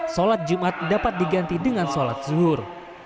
solat jumat dapat diganti dengan solat zuhur